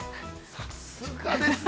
◆さすがですね。